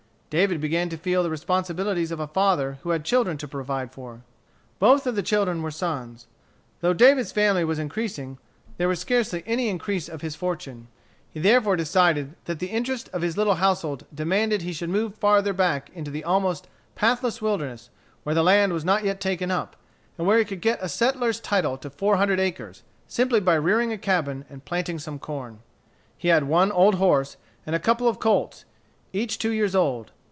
David began to feel the responsibilities of a father who had children to provide for. Both of the children were sons. Though David's family was increasing, there was scarcely any increase of his fortune. He therefore decided that the interests of his little household demanded that he should move still farther back into the almost pathless wilderness, where the land was not yet taken up, and where he could get a settler's title to four hundred acres, simply by rearing a cabin and planting some corn. He had one old horse, and a couple of colts, each two years old.